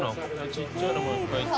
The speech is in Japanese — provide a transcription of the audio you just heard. ちっちゃいのもいっぱいいて。